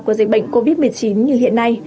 của dịch bệnh covid một mươi chín như hiện nay